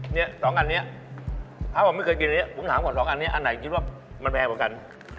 เนี่ย๒อันนี้ถ้าผมไม่เคยกินอันนี้ผมถามก่อนสองอันนี้อันไหนคิดว่ามันแพงกว่ากัน